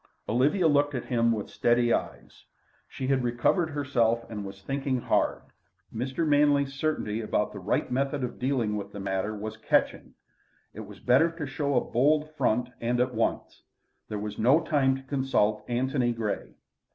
Olivia looked at him with steady eyes. She had recovered herself and was thinking hard. Mr. Manley's certainty about the right method of dealing with the matter was catching. It was better to show a bold front and at once. There was no time to consult Antony Grey.